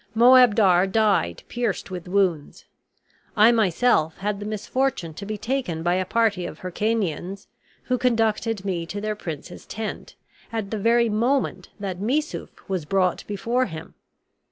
Moabdar died pierced with wounds. I myself had the misfortune to be taken by a party of Hircanians, who conducted me to their prince's tent, at the very moment that Missouf was brought before him.